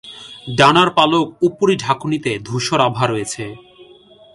ডানার পালক উপরি-ঢাকনিতে ধূসর আভা রয়েছে।